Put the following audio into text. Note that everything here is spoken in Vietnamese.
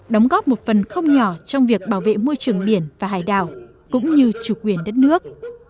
đóng góp một phần không nhỏ trong việc bảo vệ môi trường biển và hải đảo cũng như chủ quyền đất nước